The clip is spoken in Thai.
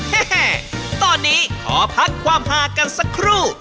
แม่ตอนนี้ขอพักความหากันสักครู่